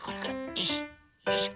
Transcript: よいしょよいしょ。